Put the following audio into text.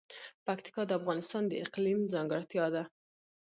پکتیکا د افغانستان د اقلیم ځانګړتیا ده.